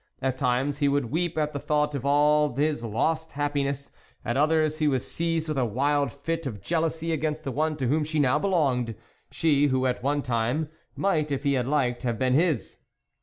At times he would weep at the thought of all his lost happi ness, at others he was seized with a wild fit of jealousy against the one to whom she now belonged, she, who at one time, might if he had liked, have been his.